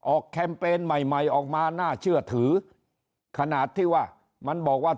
แคมเปญใหม่ใหม่ออกมาน่าเชื่อถือขนาดที่ว่ามันบอกว่า